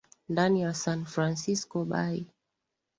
Ndani ya San Francisco Bay.